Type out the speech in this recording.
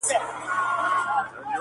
• ښکاري و ویشتی هغه موږک یارانو,